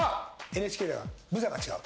ＮＨＫはブザーが違う。